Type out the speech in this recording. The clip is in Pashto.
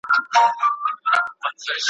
کرشمه ده زما د حسن چي جوړېږي محلونه ,